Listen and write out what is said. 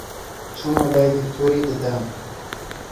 چوومە لای دکتۆری ددان